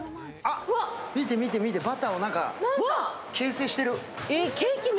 見て見て見て、バターを形成してる。